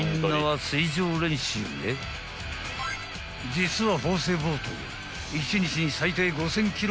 ［実は］